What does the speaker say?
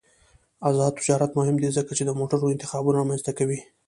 آزاد تجارت مهم دی ځکه چې د موټرو انتخابونه رامنځته کوي.